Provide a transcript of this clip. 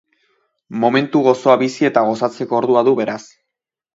Momentu gozoa bizi eta gozatzeko ordua du beraz.